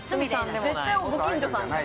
絶対ご近所さん。